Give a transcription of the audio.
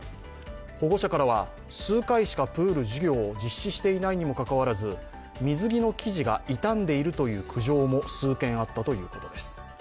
保護者からは、数回しかプール授業を実施していないにもかかわらず水着の生地が傷んでいるという苦情も数件あったということです。